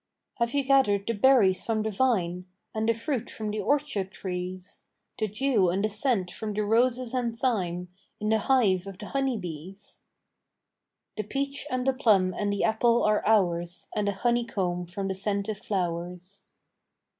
"Have you gathered the berries from the vine, And the fruit from the orchard trees? The dew and the scent from the roses and thyme, In the hive of the honeybees?" "The peach and the plum and the apple are ours, And the honeycomb from the scented flowers."